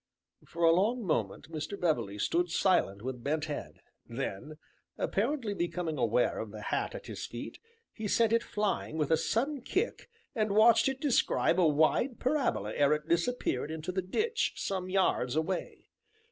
For a long moment Mr. Beverley stood silent with bent head, then, apparently becoming aware of the hat at his feet, he sent it flying with a sudden kick, and watched it describe a wide parabola ere it disappeared into the ditch, some yards away.